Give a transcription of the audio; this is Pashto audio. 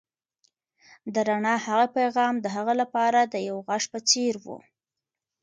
د رڼا هغه پيغام د هغه لپاره د یو غږ په څېر و.